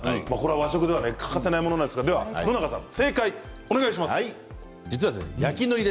和食では欠かせないものなんですが、野永さん正解をお願いします。